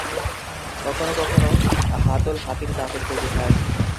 কখনও কখনও হাতল হাতির দাঁতের তৈরি হয়।